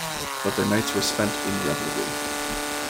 But their nights were spent in revelry.